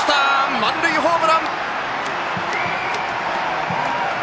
満塁ホームラン！